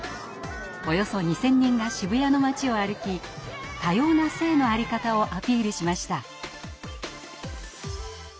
およそ２，０００人が渋谷の街を歩き多様な性の在り方をアピールしました。